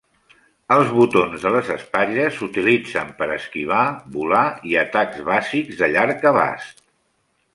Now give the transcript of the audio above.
Els botons de les espatlles s'utilitzen per esquivar, volar i atacs bàsics de llarg abast.